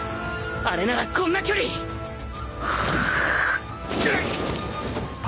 あれならこんな距離ぐっ！？